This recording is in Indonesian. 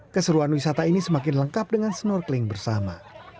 keseruan wisata ini semakin lengkap dengan snorkeling bersama